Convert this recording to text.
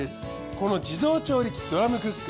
この自動調理器ドラムクック。